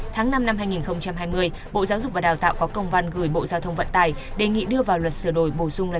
tháng năm năm hai nghìn hai mươi bộ giáo dục và đào tạo có công văn gửi bộ giao thông vận tài đề nghị đưa vào luật sửa đổi bổ sung luật